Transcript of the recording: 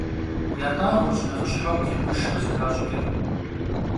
Yat'ağuerş nexhışheu çırbışş khızıxaş'ıç'ır.